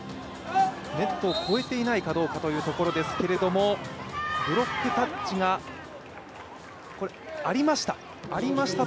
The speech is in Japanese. ネットを超えていないかどうかというところですけどもブロックタッチがありました。